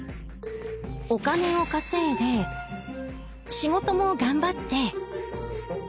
お金を稼いで仕事も頑張って。